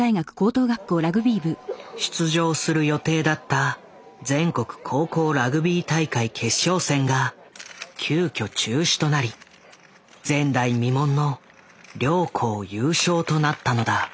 出場する予定だった全国高校ラグビー大会決勝戦が急きょ中止となり前代未聞の両校優勝となったのだ。